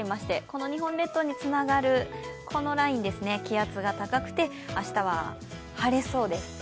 この日本列島につながるこのラインですね、気圧が高くて明日は晴れそうです。